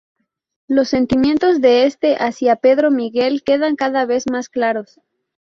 Los sentimientos de este hacia Pedro Miguel quedan cada vez más claros.